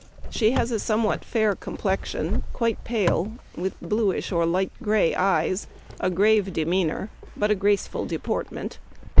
She has a somewhat fair complexion, quite pale, with bluish or light gray eyes, a grave de meanor, but a graceful deportment.